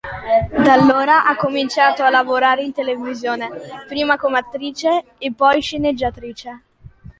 Da allora ha cominciato a lavorare in televisione, prima come attrice e poi sceneggiatrice.